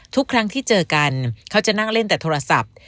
ทุกครั้งที่เจอกันเขาจะนั่งเล่นแต่โทรศัพท์